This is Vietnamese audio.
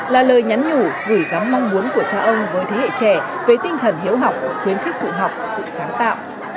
là lời nhắn nhủ gửi gắn mong muốn của cha ông với thế hệ trẻ với tinh thần hiểu học khuyến khích sự học sự sáng tạo